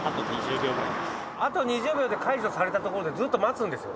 あと２０秒で解除されたところでずっと待つんですよ